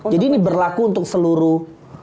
jadi ini berlaku untuk seluruh